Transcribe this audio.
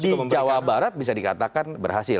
jawa barat bisa dikatakan berhasil